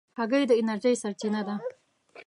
هګۍ د انرژۍ سرچینه ده.